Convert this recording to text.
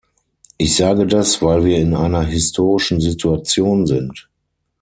Ich sage das, weil wir in einer historischen Situation sind.